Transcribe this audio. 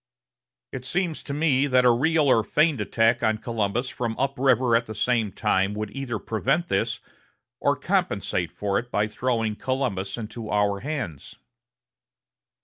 It seems to me that a real or feigned attack on Columbus from up river at the same time would either prevent this, or compensate for it by throwing Columbus into our hands."